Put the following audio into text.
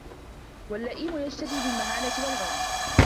وَاللَّئِيمُ يَجْتَدِي بِالْمَهَانَةِ وَالْعُنْفِ